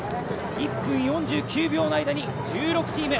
１分４９秒の間に１６チーム。